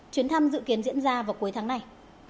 chuyến thăm dự kiến diễn ra vào cuối tháng này